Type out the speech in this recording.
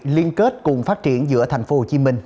liên kết cùng phát triển giữa thành phố hồ chí minh